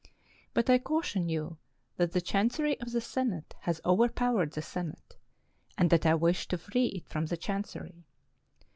But I caution you that the Chancery of the Senate has overpowered the Senate, and that I wish to free it from the Chancery.